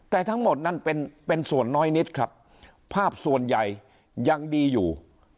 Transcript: แต่ทั้งหมดนั้นเป็นส่วนน้อยนิดครับภาพส่วนใหญ่ยังดีอยู่